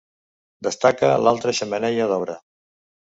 Destaca l'alta xemeneia d'obra.